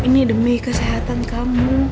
ini demi kesehatan kamu